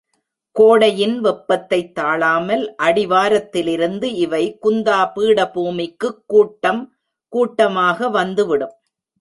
கோடையின் வெப்பத்தைத் தாளாமல், அடி வாரத்திலிருந்து இவை குந்தா பீடபூமிக்குக் கூட்டம் கூட்டமாக வந்து விடும்.